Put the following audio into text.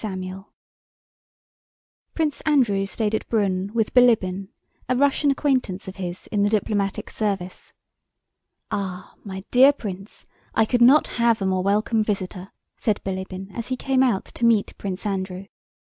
CHAPTER X Prince Andrew stayed at Brünn with Bilíbin, a Russian acquaintance of his in the diplomatic service. "Ah, my dear prince! I could not have a more welcome visitor," said Bilíbin as he came out to meet Prince Andrew.